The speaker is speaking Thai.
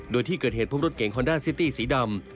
โดยที่เกิดเหตุพบรถเก่งคอนด้าซิตี้สีดำ